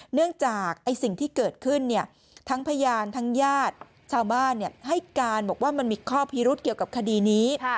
เนื่องจากสิ่งที่เกิดขึ้นทั้งพยานทั้งญาติชาวบ้านให้การบอกว่ามันมีข้อพิรุษเกี่ยวกับคดีนี้